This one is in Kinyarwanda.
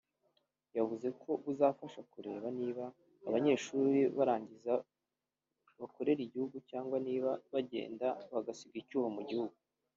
yavuze ko buzafasha kureba niba abanyeshuri barangiza bakorera igihugu cyangwa niba bagenda bagasiga icyuho mu gihugu